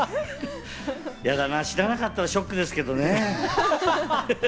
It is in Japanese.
ヤダな、知らなかったらショックですけどね。